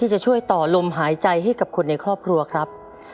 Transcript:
จะช่วยต่อลมหายใจให้กับคนในครอบครัวครับ